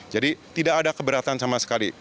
jadi tidak ada keberatan sama sekali